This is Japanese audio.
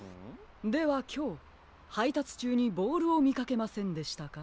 ではきょうはいたつちゅうにボールをみかけませんでしたか？